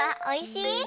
おいしい？